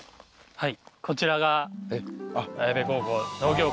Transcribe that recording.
はい。